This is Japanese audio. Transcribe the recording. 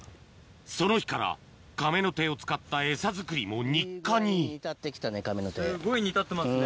その日からカメノテを使ったエサ作りも日課にすごい煮立ってますね。